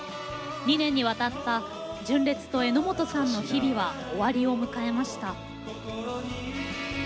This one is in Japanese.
２年にわたった純烈と榎本さんの日々は終わりを迎えました。